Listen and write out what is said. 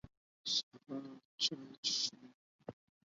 سهار چاي څښم.